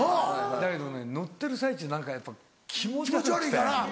だけどね乗ってる最中何かやっぱ気持ち悪くて。